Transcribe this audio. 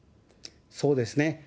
そうですね。